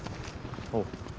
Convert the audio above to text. おう。